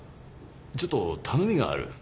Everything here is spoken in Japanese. ちょっと頼みがある。